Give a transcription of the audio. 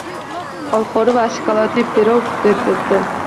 Olxo‘ri va shokoladli pirog retsepti